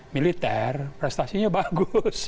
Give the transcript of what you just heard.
militer prestasinya bagus